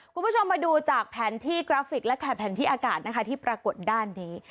คุณผู้ชมมาดูจากแผนที่กราฟิกและแผนที่อากาศนะคะที่ปรากฏด้านนี้